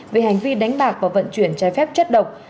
về hành vi đánh bạc và vận chuyển trái phép chất độc